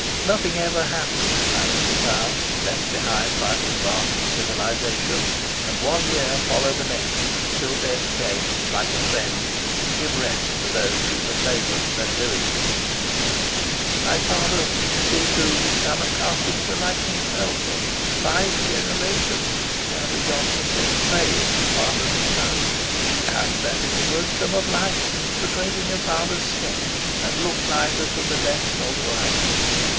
Nothing ever happened in that little town, left behind by the advance of civilisation, and one year followed the next till death came, like a friend, to give rest to those who had laboured so diligently. "My father wished me to become a carpenter like himself. For five generations we've carried on the same trade, from father to son. Perhaps that is the wisdom of life, to tread in your father's steps, and look neither to the right nor to the left.